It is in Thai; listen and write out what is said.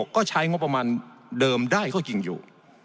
ก็ใช้งบประมาณเดิมได้ก็จริงอยู่